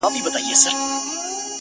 o ستا په يادونو كي راتېره كړله؛